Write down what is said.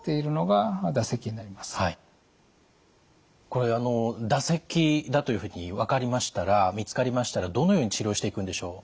これ唾石だというふうに分かりましたら見つかりましたらどのように治療していくんでしょう。